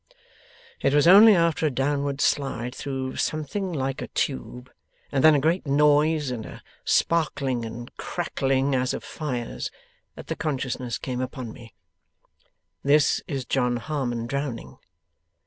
'It was only after a downward slide through something like a tube, and then a great noise and a sparkling and crackling as of fires, that the consciousness came upon me, "This is John Harmon drowning!